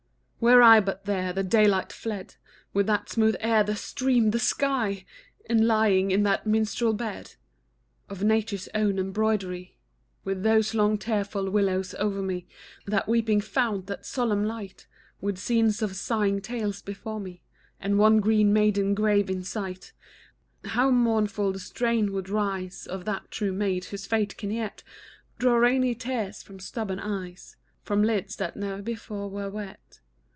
Were I but there, the daylight fled, With that smooth air, the stream, the sky, And lying on that minstrel bed Of nature's own embroidery With those long tearful willows o'er me, That weeping fount, that solemn light, With scenes of sighing tales before me, And one green, maiden grave in sight; How mournfully the strain would rise Of that true maid, whose fate can yet Draw rainy tears from stubborn eyes; From lids that ne'er before were wet.